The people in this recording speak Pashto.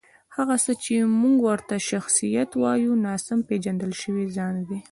هغه څه چې موږ ورته شخصیت وایو، ناسم پېژندل شوی ځان دی.